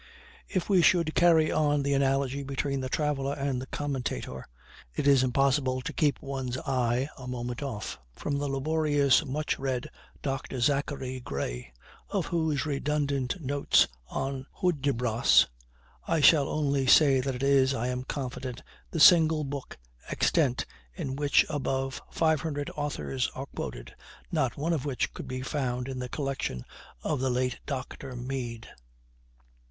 If we should carry on the analogy between the traveler and the commentator, it is impossible to keep one's eye a moment off from the laborious much read doctor Zachary Gray, of whose redundant notes on Hudibras I shall only say that it is, I am confident, the single book extant in which above five hundred authors are quoted, not one of which could be found in the collection of the late doctor Mead.